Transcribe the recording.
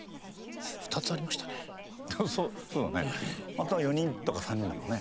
あとは４人とか３人だもんね。